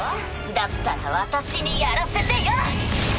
だったら私にやらせてよ！